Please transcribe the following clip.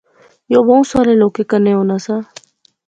یو بہوں سارے لوکیں کنے ہونا سا